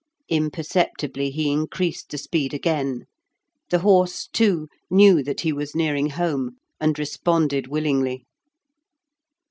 Imperceptibly he increased the speed again; the horse, too, knew that he was nearing home, and responded willingly.